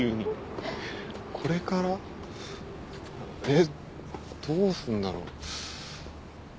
えどうすんだろう？